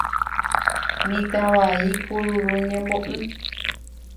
Mitã vai kururu ñembo'y.